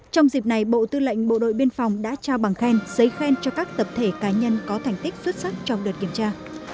trong dịp này bộ tư lệnh bộ đội biên phòng đã trao bằng khen giấy khen cho các tập thể cá nhân có thành tích xuất sắc trong đợt kiểm tra